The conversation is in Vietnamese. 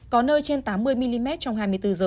có nơi trên tám mươi mm trong hai mươi bốn h